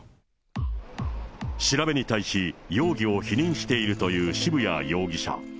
調べに対し容疑を否認しているという渋谷容疑者。